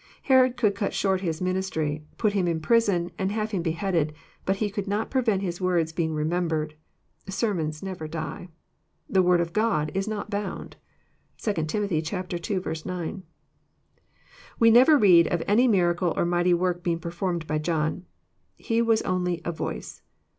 Herod could cut short his ministry, put him in prison, and have him beheaded ; but he could not prevent his words being remembered. Sermons never die. The Word of God is not bound. (2 Tim. ii. 9.) We never read of any miracle or mighty work being performed by John. He was only *' a voice."